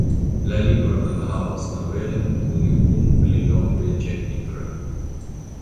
La libro enhavas novelojn kune kun pli longaj ĉapitroj.